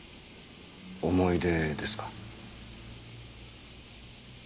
思い出ですか。